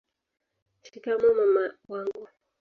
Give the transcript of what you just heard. shikamoo mama wangu